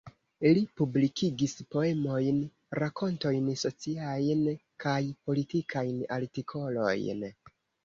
Li publikigis poemojn, rakontojn, sociajn kaj politikajn artikolojn.